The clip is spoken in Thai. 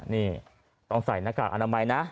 นี่ต้องใส่หน้ากากอนามัยนะ